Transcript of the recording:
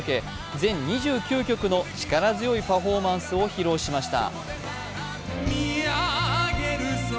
全２９曲の力強いパフォーマンスを披露しました。